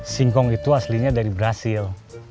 singkong itu aslinya dari brazil